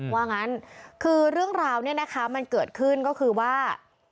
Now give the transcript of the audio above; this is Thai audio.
ว่างั้นคือเรื่องราวเนี่ยนะคะมันเกิดขึ้นก็คือว่า